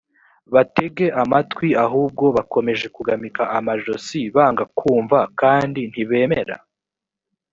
batege amatwi ahubwo bakomeje kugamika amajosi banga kumva kandi ntibemera